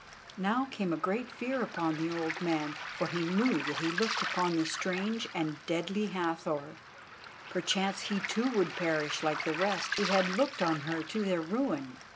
Now a great fear came upon the old man, for he knew that he looked upon the strange and deadly Hathor. Perchance he too would perish like the rest who had looked on her to their ruin.